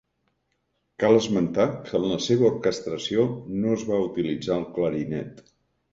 Cal esmentar, que en la seva orquestració no es va utilitzar el clarinet.